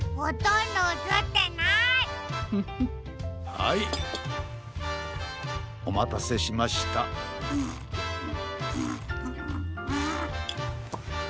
はいおまたせしました。んんん。